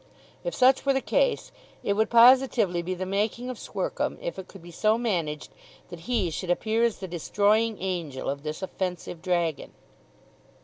If such were the case it would positively be the making of Squercum if it could be so managed that he should appear as the destroying angel of this offensive dragon.